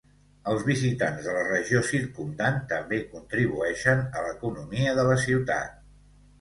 Els visitants de la regió circumdant també contribueixen a l'economia de la ciutat.